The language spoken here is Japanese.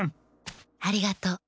ありがとう。